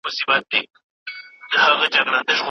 ناخبره له خزانه نڅېدلای